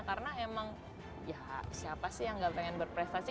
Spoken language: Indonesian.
karena emang ya siapa sih yang enggak pengen berprestasi